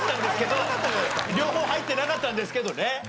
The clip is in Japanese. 両方入ってなかったんですけどね。